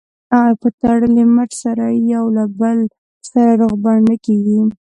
په تړلي مټ سره یو له بل سره روغبړ نه کېږي.